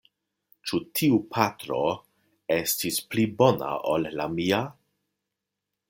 Ĉu tiu patro estis pli bona ol la mia?